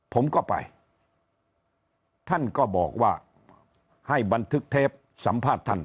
ผมก็ไปท่านก็บอกว่าให้บันทึกเทปสัมภาษณ์ท่าน